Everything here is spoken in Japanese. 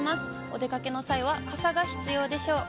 お出かけの際は、傘が必要でしょう。